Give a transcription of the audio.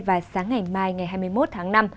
và sáng ngày mai ngày hai mươi một tháng năm